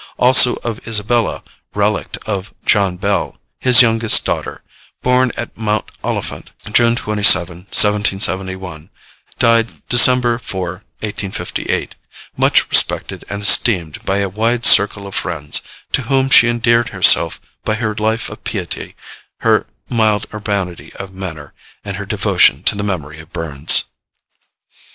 Also of ISABELLA, relict of JOHN BELL; his youngest daughter, born at Mount Oliphant, June 27, 1771; died December 4, 1858, much respected and esteemed by a wide circle of friends, to whom she endeared herself by her life of piety, her mild urbanity of manner, and her devotion to the memory of BURNS.'